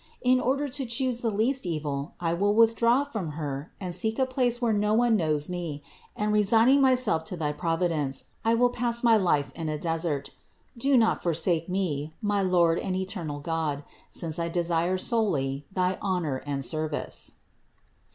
In order to choose the least evil I will with draw from Her and seek a place where no one knows me and, resigning myself to thy Providence, I will pass my life in a desert. Do not forsake me, my Lord and eternal God, since I desire solely thy honor and service."